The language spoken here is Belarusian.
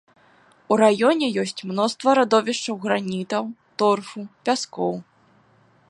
У раёне ёсць мноства радовішчаў гранітаў, торфу, пяскоў.